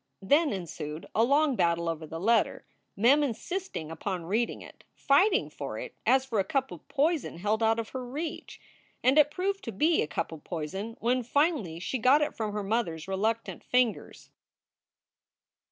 Then ensued a long battle over the letter, Mem insisting upon reading it, fighting for it as for a cup of poison held out of her reach. And it proved to be a cup of poison when finally she got it from her mother s reluctant fingers.